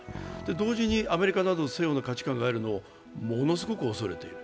同時に、アメリカなどの西洋の価値観をものすごく恐れている。